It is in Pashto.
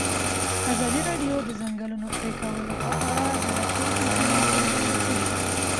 ازادي راډیو د د ځنګلونو پرېکول په اړه د راتلونکي هیلې څرګندې کړې.